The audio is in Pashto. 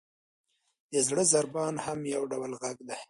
• د زړه ضربان هم یو ډول ږغ دی.